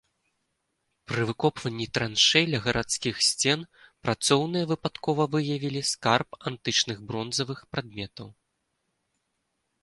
Пры выкопванні траншэй ля гарадскіх сцен працоўныя выпадкова выявілі скарб антычных бронзавых прадметаў.